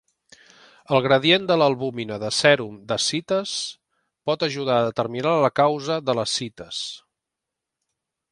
El gradient de l'albúmina de sèrum d'ascites pot ajudar a determinar la causa de l'ascites.